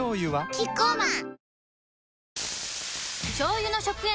キッコーマン